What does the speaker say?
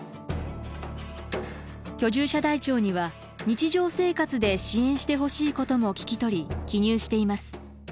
居住者台帳には日常生活で支援してほしいことも聞き取り記入しています。